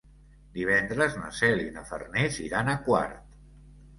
Divendres na Cel i na Farners iran a Quart.